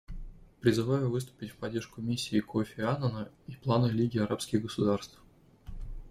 Призываю выступить в поддержку миссии Кофи Аннана и плана Лиги арабских государств.